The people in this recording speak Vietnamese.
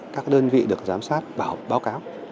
các đơn vị được giám sát bảo báo cáo